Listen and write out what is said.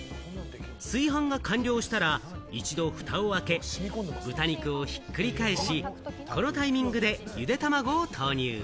炊飯が完了したら一度ふたを開け、豚肉をひっくり返し、このタイミングでゆで卵を投入。